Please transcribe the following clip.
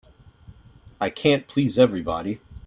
I can't please everybody.